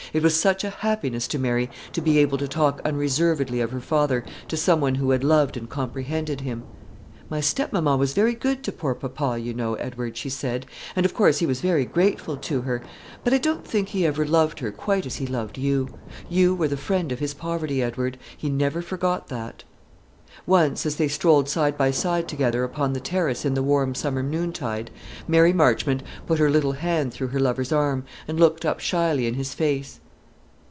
It was such a happiness to Mary to be able to talk unreservedly of her father to some one who had loved and comprehended him. "My stepmamma was very good to poor papa, you know, Edward," she said, "and of course he was very grateful to her; but I don't think he ever loved her quite as he loved you. You were the friend of his poverty, Edward; he never forgot that." Once, as they strolled side by side together upon the terrace in the warm summer noontide, Mary Marchmont put her little hand through her lover's arm, and looked up shyly in his face.